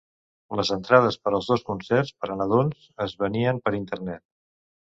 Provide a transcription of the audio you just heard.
Les entrades per als dos Concerts per a nadons es venien per internet.